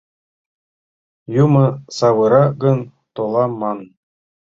Юмо савыра гын, толам ман...